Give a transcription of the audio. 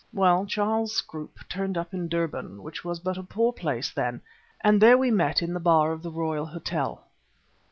Well, Charles Scroope turned up in Durban, which was but a poor place then, and there we met in the bar of the Royal Hotel.